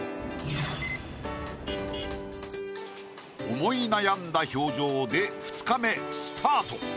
思い悩んだ表情で２日目スタート。